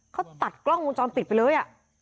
เขาตัดกล้องวงจรปิดไปเลย